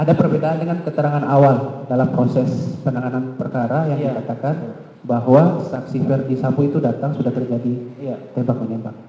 ada perbedaan dengan keterangan awal dalam proses penanganan perkara yang dikatakan bahwa saksi verdi sambo itu datang sudah terjadi tembak menembak